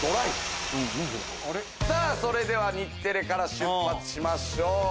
それでは日テレから出発しましょう。